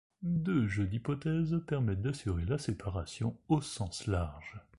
Deux jeux d'hypothèses permettent d'assurer la séparation au sens large.